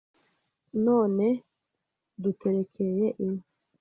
None duterekeye inka